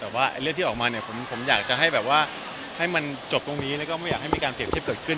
แต่ว่าเรื่องที่ออกมาเนี่ยผมอยากจะให้แบบว่าให้มันจบตรงนี้แล้วก็ไม่อยากให้มีการเปรียบเทียบเกิดขึ้น